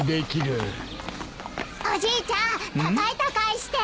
おじいちゃん高い高いして。